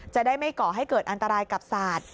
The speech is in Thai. จะได้ไม่ก่อให้เกิดอันตรายกับศาสตร์